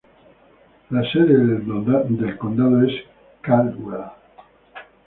La sede del condado es Caldwell.